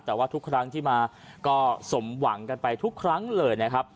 แต่ว่าทุกครั้งที่มาก็สมหวังกันไปทุกครั้งเลยนะครับ